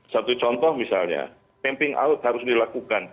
satu contoh misalnya camping out harus dilakukan